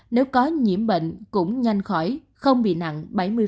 nếu có nhiễm bệnh cũng nhanh khỏi không bị nặng bảy mươi